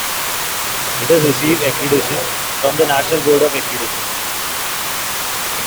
It has received accreditation from the National Board of Accreditation.